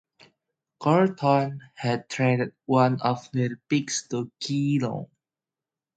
Carlton had traded one of their picks to Geelong.